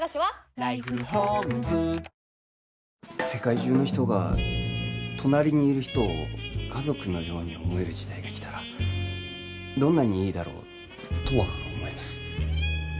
世界中の人が隣にいる人を家族のように思える時代が来たらどんなにいいだろうとは思います。